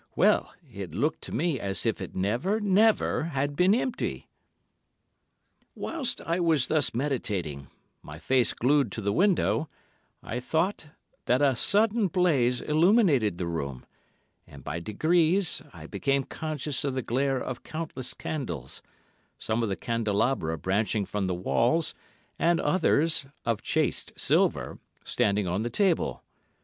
—well, it looked to me as if it never, never had been empty. Whilst I was thus meditating, my face glued to the window, I thought that a sudden blaze illuminated the room, and by degrees I became conscious of the glare of countless candles, some of the candelabra branching from the walls, and others—of chased silver—standing on the table.